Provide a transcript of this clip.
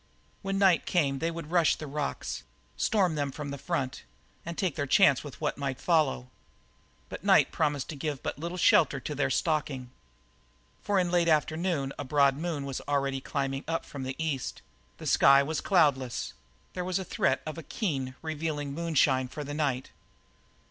When night came they would rush the rocks, storm them from the front, and take their chance with what might follow. But the night promised to give but little shelter to their stalking. For in the late afternoon a broad moon was already climbing up from the east; the sky was cloudless; there was a threat of keen, revealing moonshine for the night.